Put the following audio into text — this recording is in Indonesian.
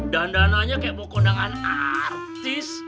dan dananya kayak mau kondangan artis